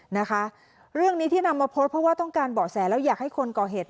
นะคะเรื่องนี้ที่นำมาโพสต์เพราะว่าต้องการเบาะแสแล้วอยากให้คนก่อเหตุ